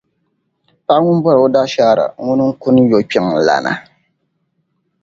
Paɣa ŋun bɔri o daashaara ŋuna n-kuni yɔkpiŋlana.